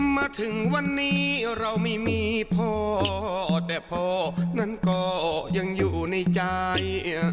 มาถึงวันนี้เราไม่มีพ่อแต่พ่อนั้นก็ยังอยู่ในใจ